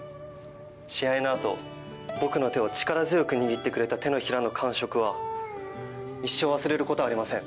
試合の後僕の手を力強く握ってくれた手のひらの感触は一生忘れることはありません。